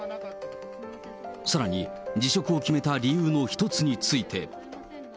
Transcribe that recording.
さらに辞職を決めた理由の一つについて。